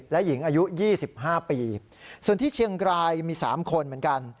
และหญิงอายุ๒๕ปีส่วนที่เชียงรายมี๓คนเหมือนกัน